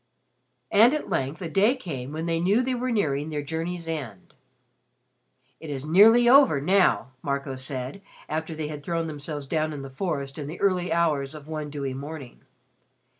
And at length a day came when they knew they were nearing their journey's end. "It is nearly over now," Marco said, after they had thrown themselves down in the forest in the early hours of one dewy morning.